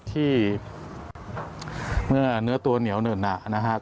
ที่เมื่อเนื้อตัวเหนียวเนิ่นหนักนะครับ